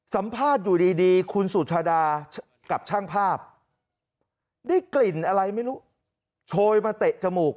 สัมภาษณ์อยู่ดีคุณสุชาดากับช่างภาพได้กลิ่นอะไรไม่รู้โชยมาเตะจมูก